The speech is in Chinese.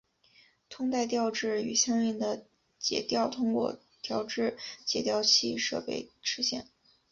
通带调制与相应的解调通过调制解调器设备实现。